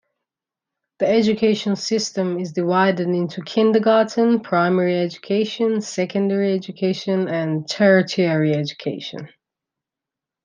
The education system is divided into Kindergarten, primary education, secondary education and tertiary education.